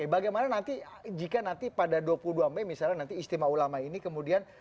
bagaimana nanti jika nanti pada dua puluh dua mei misalnya nanti istimewa ulama ini kemudian